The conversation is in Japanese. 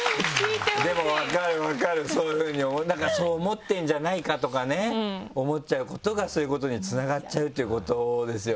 でも分かる分かるそういうふうになんかそう思ってるんじゃないかとかね思っちゃうことがそういうことにつながっちゃうっていうことですよね。